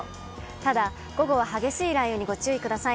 ただ、午後は激しい雷雨にご注意ください。